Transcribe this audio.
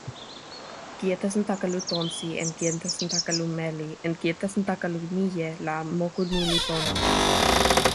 kijetesantakalu tonsi en kijetesantakalu meli en kijetesantakalu mije la moku ni li pona.